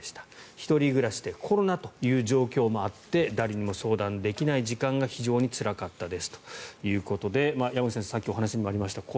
１人暮らしでコロナという状況もあって誰にも相談できない時間が非常につらかったですということで山口さんさっきお話にもありました